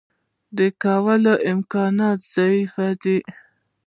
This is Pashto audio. کولو امکان ضعیف دی.